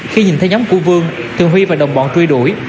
khi nhìn thấy nhóm của vương tường huy và đồng bọn truy đuổi